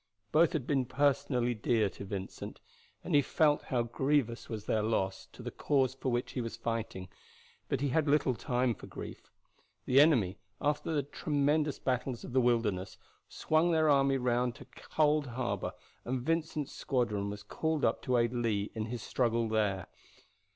Both had been personally dear to Vincent, and he felt how grievous was their loss to the cause for which he was fighting; but he had little time for grief. The enemy, after the tremendous battles of the Wilderness, swung their army round to Cold Harbor, and Vincent's squadron was called up to aid Lee in his struggle there.